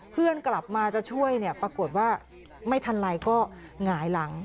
เพื่อนกลับมาจะช่วยเนี่ยปรากฏว่าไม่ทันไรก็หงายหลัง